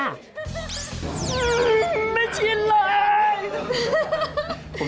ไม่ชินเลย